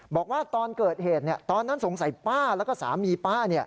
บอกว่าตอนเกิดเหตุตอนนั้นสงสัยป้าแล้วก็สามีป้า